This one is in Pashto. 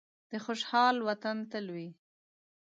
د خوشحال وطن تل وي.